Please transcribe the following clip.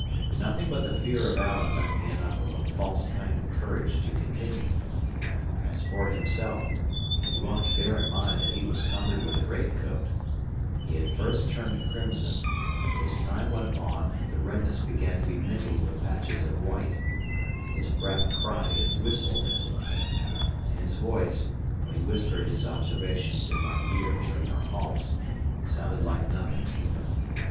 Nothing but the fear of Alan lent me enough of a false kind of courage to continue. As for himself (and you are to bear in mind that he was cumbered with a great coat) he had first turned crimson, but as time went on the redness began to be mingled with patches of white; his breath cried and whistled as it came; and his voice, when he whispered his observations in my ear during our halts, sounded like nothing human.